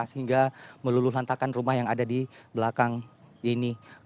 sehingga meluluh lantakan rumah yang ada di belakang ini